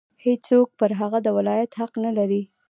هېڅوک پر هغه د ولایت حق نه لري.